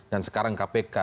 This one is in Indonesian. dan sekarang kpk